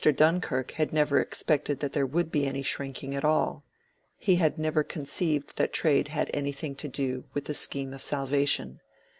Dunkirk had never expected that there would be any shrinking at all: he had never conceived that trade had anything to do with the scheme of salvation.